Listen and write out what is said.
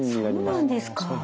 あっそうなんですか。